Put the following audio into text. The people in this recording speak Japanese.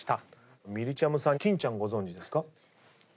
みりちゃむさん欽ちゃんご存じですか？